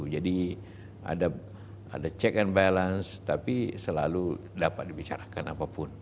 jadi ada check and balance tapi selalu dapat dibicarakan apapun